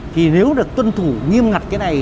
thì nếu được tuân thủ nghiêm ngặt cái này